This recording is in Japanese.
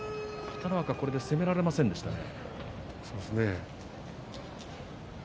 北の若攻められませんでしたね。